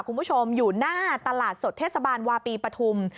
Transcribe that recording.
คุณผู้ชมอยู่หน้าตลาดสดเทศบาลวาปีปฐุม